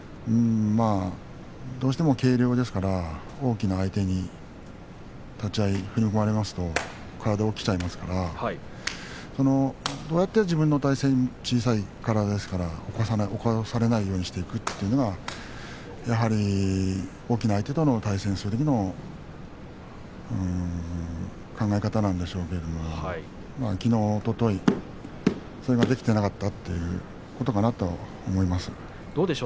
どうしても軽量ですから大きな相手に立ち合い踏み込まれますと体が起きてしまいますからどうやったら自分の体勢に小さい体ですから起こされないようにするのかというのはやはり大きな相手と対戦するときの考え方なんでしょうけれどきのう、おとといそれができていなかったということかなと思います。